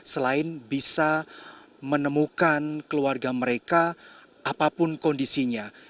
selain bisa menemukan keluarga mereka apapun kondisinya